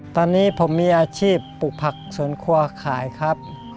ตอนนี้ผมมีอาชีพปลูกผักสวนครัวขายครับ